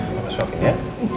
bapak suapin ya